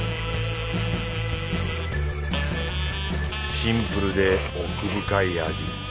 シンプルで奥深い味。